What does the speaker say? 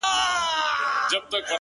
• يوه بوډا په ساندو, ساندو ژړل,